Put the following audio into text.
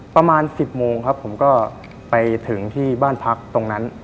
ประมาณ๑๐โมงครับผมก็ไปถึงที่บ้านพักตรงนั้น